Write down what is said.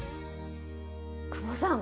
久保さん